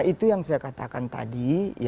itu yang saya katakan tadi